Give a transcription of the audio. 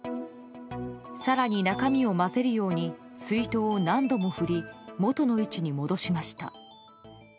更に中身を混ぜるように水筒を何度も振り元の位置に戻しました。